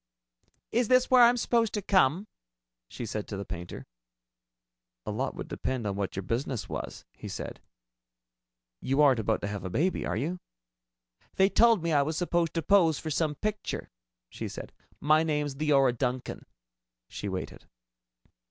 "Is this where I'm supposed to come?" she said to the painter. "A lot would depend on what your business was," he said. "You aren't about to have a baby, are you?" "They told me I was supposed to pose for some picture," she said. "My name's Leora Duncan." She waited.